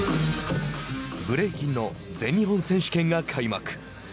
ブレイキンの全日本選手権が開幕。